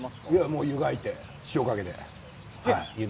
もう、ゆがいて塩をかけて。